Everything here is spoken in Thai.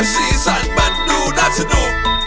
สีสันมันดูน่าสนุก